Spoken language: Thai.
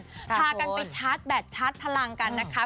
พากันไปชาร์จแบตชาร์จพลังกันนะคะ